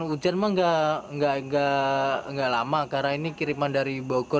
hujan mah nggak lama karena ini kiriman dari bogor